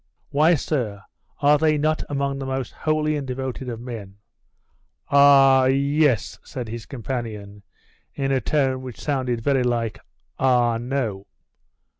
'Why, sir, are they not among the most holy and devoted of men?' 'Ah yes,' said his companion, in a tone which sounded very like 'Ah no.